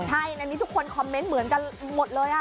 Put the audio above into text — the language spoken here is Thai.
ใช่อันนี้ทุกคนคอมเมนต์เหมือนกันหมดเลย